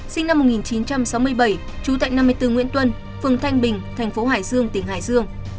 sinh năm một nghìn chín trăm sáu mươi bảy trú tại năm mươi bốn nguyễn tuân phường thanh bình thành phố hải dương tỉnh hải dương